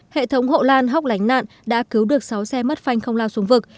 hệ thống hộ lan hóc lánh nạn đã cứu được sáu xe mất phanh không lao xuống vực